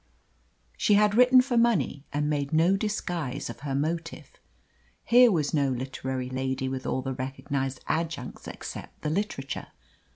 She had written for money, and made no disguise of her motive. Here was no literary lady with all the recognised adjuncts except the literature.